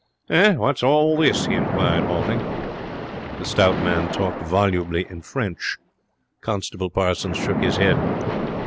'What's all this?' he inquired, halting. The stout man talked volubly in French. Constable Parsons shook his head.